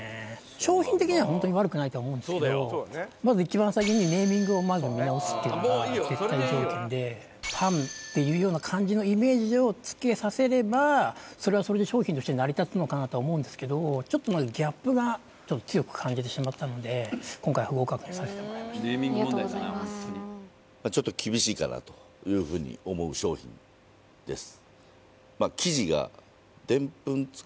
商品的にはホントに悪くないとは思うんですけどまず一番先にネーミングをまず見直すっていうのが絶対条件でパンっていうような感じのイメージをつけさせればそれはそれで商品として成り立つのかなと思うんですけどちょっとギャップがちょっと強く感じてしまったのでありがとうございますというふうに思う商品です